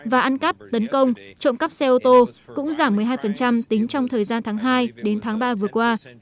và ăn cắp tấn công trộm cắp xe ô tô cũng giảm một mươi hai tính trong thời gian tháng hai đến tháng ba vừa qua